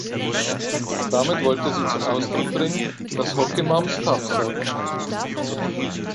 Damit wollte sie zum Ausdruck bringen, dass Hockey Moms „tough“ seien.